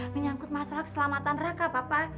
menyangkut masalah keselamatan raka papa